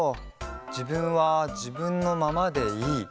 じぶんはじぶんのままでいい。